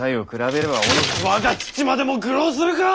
我が父までも愚弄するか！